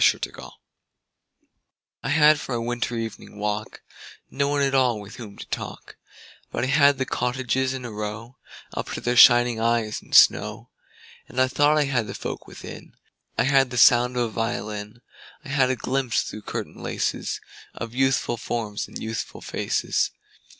Good Hours I HAD for my winter evening walk No one at all with whom to talk, But I had the cottages in a row Up to their shining eyes in snow. And I thought I had the folk within: I had the sound of a violin; I had a glimpse through curtain laces Of youthful forms and youthful faces.